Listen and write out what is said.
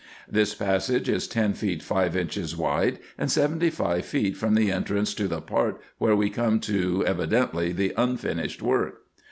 This passage is ten feet five inches wide, and seventy five feet from the entrance to the part where we come to evidently the unfinished work.